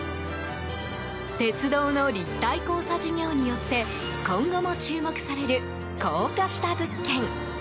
鉄道の立体交差事業によって今後も注目される高架下物件。